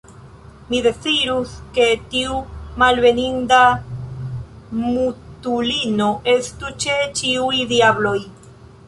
Mi dezirus, ke tiu malbeninda mutulino estu ĉe ĉiuj diabloj!